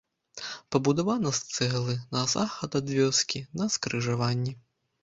Пабудавана з цэглы, на захад ад вёскі, на скрыжаванні.